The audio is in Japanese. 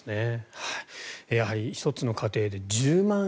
１つの家庭で１０万円